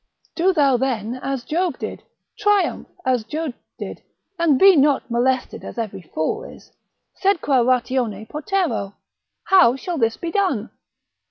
Do thou then as Job did, triumph as Job did, and be not molested as every fool is. Sed qua ratione potero? How shall this be done?